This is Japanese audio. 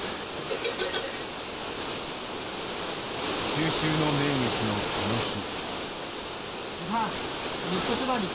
中秋の名月の、この日。